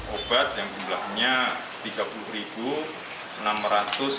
obat yang jumlahnya tiga puluh enam ratus sembilan puluh sembilan butir